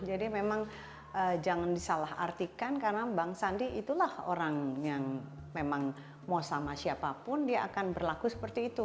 jadi memang jangan disalah artikan karena bang sandi itulah orang yang memang mau sama siapapun dia akan berlaku seperti itu